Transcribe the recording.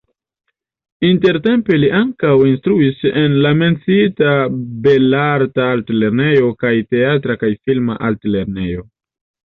Intertempe li ankaŭ instruis en la menciita Belarta Altlernejo kaj Teatra kaj Filma Altlernejo.